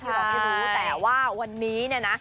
แต่ว่าวันนี้เนี่ยนะ